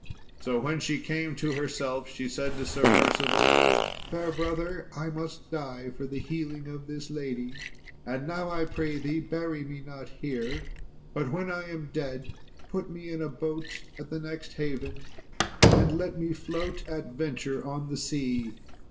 So when she came to herself she said to Sir Percival, "Fair brother, I must die for the healing of this lady, and now, I pray thee, bury me not here, but when I am dead put me in a boat at the next haven and let me float at venture on the sea.